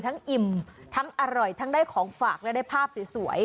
อิ่มทั้งอร่อยทั้งได้ของฝากและได้ภาพสวย